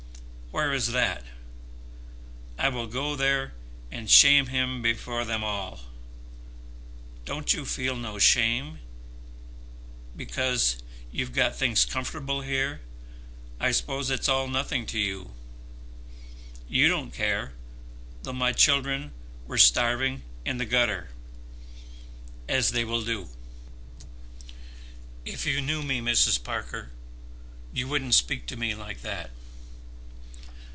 "Where is that? I will go there and shame him before them all. Don't you feel no shame? Because you've got things comfortable here, I suppose it's all nothing to you. You don't care, though my children were starving in the gutter, as they will do." "If you knew me, Mrs. Parker, you wouldn't speak to me like that."